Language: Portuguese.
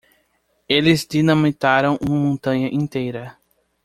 Eles dinamitaram uma montanha inteira.